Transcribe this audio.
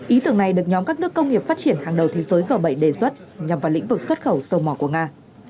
ý tưởng này được nhóm các nước công nghiệp phát triển hàng đầu thế giới g bảy đề xuất nhằm vào lĩnh vực xuất khẩu dầu mỏ của nga